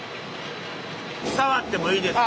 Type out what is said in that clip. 触ってもいいですか？